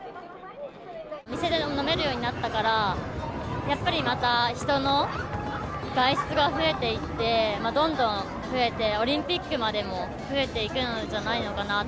店で飲めるようになったから、やっぱりまた人の外出が増えていて、どんどん増えて、オリンピックまでも増えていくんじゃないのかなと。